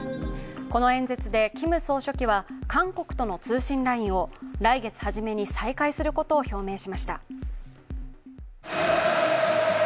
この演説でキム総書記は韓国との通信ラインを来月初めに再開することを表明しました。